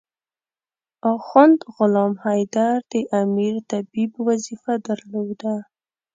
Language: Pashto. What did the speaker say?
اخند غلام حیدر د امیر طبيب وظیفه درلوده.